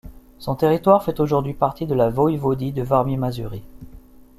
Son territoire fait aujourd'hui partie de la voïvodie de Varmie-Mazurie.